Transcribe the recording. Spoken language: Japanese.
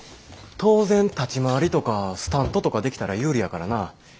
当然立ち回りとかスタントとかできたら有利やからな。